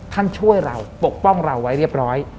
ช่วยเราปกป้องเราไว้เรียบร้อย